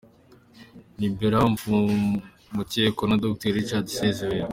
Liberat Mfumukeko na Dr Richard Sezibera